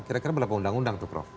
kira kira berapa undang undang tuh prof